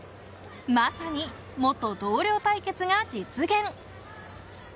まさに元同僚対決が実現。